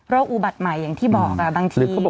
โรคอุบัติใหม่อย่างที่บอกบางที